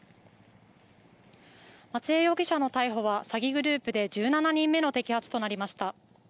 松江容疑者の逮捕は詐欺グループで１７人目の摘発となりました。